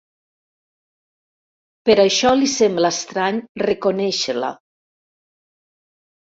Per això li sembla estrany reconèixer-la.